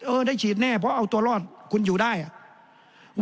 ได้ฉีดแน่เพราะเอาตัวรอดคุณอยู่ได้อ่ะ